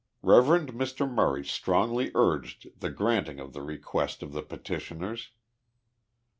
Rev. Mr. Murray strongly urged the granting of the request of the petitioners.